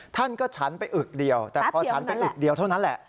ท่านก็ฉันไปอึกเดียวแต่พอฉันไปอึกเดียวเท่านั้นแหละ